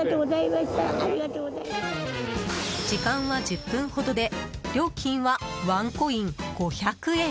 時間は１０分ほどで料金はワンコイン５００円。